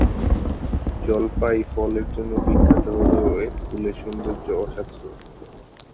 জলপাই ফলের জন্য বিখ্যাত হলেও এর ফুলের সৌন্দর্য অসাধারণ।